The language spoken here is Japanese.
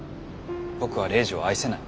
僕はレイジを愛せない。